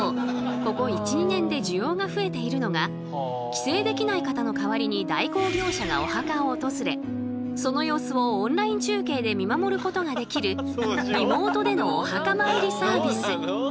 ここ１２年で需要が増えているのが帰省できない方の代わりに代行業者がお墓を訪れその様子をオンライン中継で見守ることができるリモートでのお墓参りサービス。